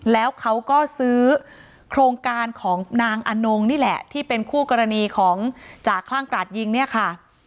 แล้วเขาก็ซื้อโครงการของนางอนงนี่แหละที่เป็นคู่กรณีของจ่าคลั่งกราดยิงเนี่ยค่ะ